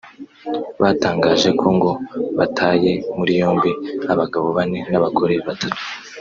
batangaje ko ngo bataye muri yombi abagabo bane n’abagore batatu